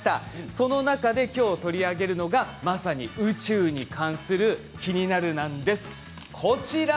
その中で今日、取り上げるのがまさに宇宙に関するキニナルなんです。